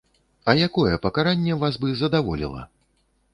А якое пакаранне вас бы задаволіла?